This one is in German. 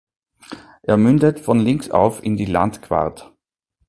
Er mündet von links auf in die Landquart.